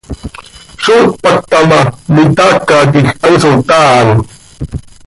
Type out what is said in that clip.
¿Zó tpacta ma, mitaaca quij hanso taan?